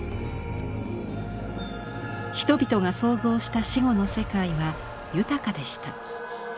人々が想像した死後の世界は豊かでした。